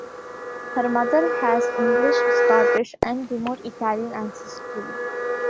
Her mother has English, Scottish, and remote Italian ancestry.